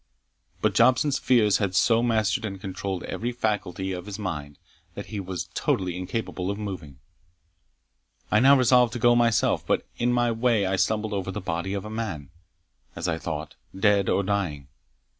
But Jobson's fears had so mastered and controlled every faculty of his mind, that he was totally incapable of moving. I now resolved to go myself, but in my way I stumbled over the body of a man, as I thought, dead or dying.